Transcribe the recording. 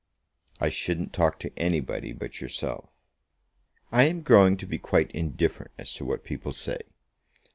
"I shouldn't talk to anybody but yourself." "I am growing to be quite indifferent as to what people say.